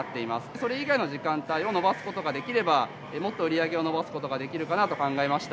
それ以外の時間帯を延ばすことができれば、もっと売り上げを伸ばすことができるかなと考えました。